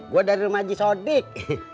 gue dari rumah jisodik